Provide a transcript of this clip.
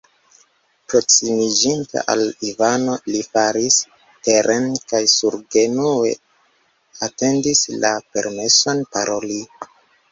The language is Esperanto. Proksimiĝinte al Ivano, li falis teren kaj surgenue atendis la permeson paroli.